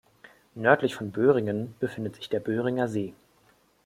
Nördlich von Böhringen befindet sich der Böhringer See.